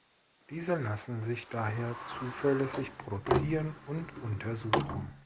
Diese lassen sich daher zuverlässig produzieren und untersuchen.